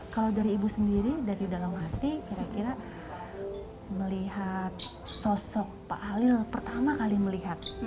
kalau dari ibu sendiri dari dalam hati kira kira melihat sosok pak halil pertama kali melihat